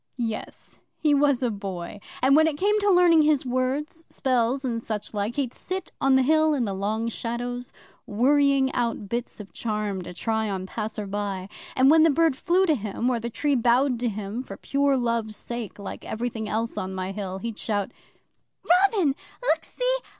'Yes, he was a boy. And when it came to learning his words spells and such like he'd sit on the Hill in the long shadows, worrying out bits of charms to try on passersby. And when the bird flew to him, or the tree bowed to him for pure love's sake (like everything else on my Hill), he'd shout, "Robin! Look see!